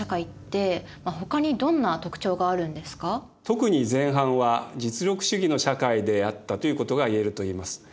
特に前半は実力主義の社会であったということがいえるといえます。